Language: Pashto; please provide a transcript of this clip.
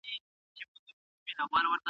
د شالمار مېله